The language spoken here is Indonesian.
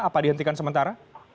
apa dihentikan sementara